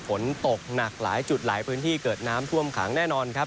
ฝนตกหนักหลายจุดหลายพื้นที่เกิดน้ำท่วมขังแน่นอนครับ